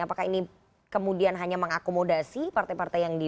apakah ini kemudian hanya mengakomodasi partai partai yang di